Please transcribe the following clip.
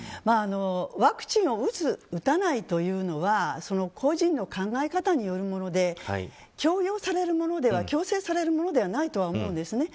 ワクチンを打つ、打たないというのは個人の考え方によるもので強制されるものではないと思うんです。